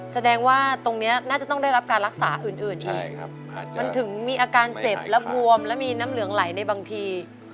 แสดงว่าตรงนี้น่าจะต้องได้รับการรักษาอื่นที่มันถึงมีอาการเจ็บและบวมและมีน้ำเหลืองไหลในบางที